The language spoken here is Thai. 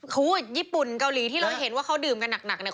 ญี่ปุ่นเกาหลีที่เราเห็นว่าเขาดื่มกันหนักเนี่ย